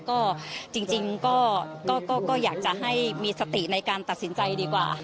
ก็จริงก็อยากจะให้มีสติในการตัดสินใจดีกว่า